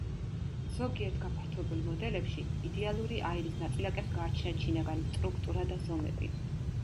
ზოგიერთ გაფართოებულ მოდელებში იდეალური აირის ნაწილაკებს გააჩნიათ შინაგანი სტრუქტურა და ზომები.